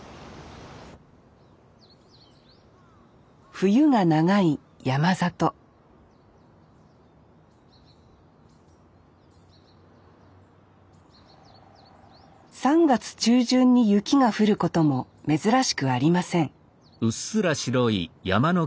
冬が長い山里３月中旬に雪が降ることも珍しくありません